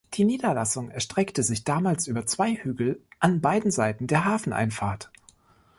Die Niederlassung erstreckte sich damals über zwei Hügel an beiden Seiten der Hafeneinfahrt.